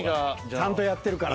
ちゃんとやってるから。